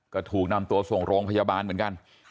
ก็ถูกนำตัวส่งโรงพยาบาลเหมือนกัน